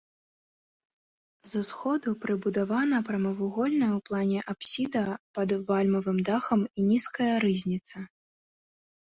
З усходу прыбудавана прамавугольная ў плане апсіда пад вальмавым дахам і нізкая рызніца.